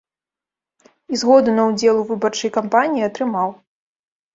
І згоду на ўдзел у выбарчай кампаніі атрымаў.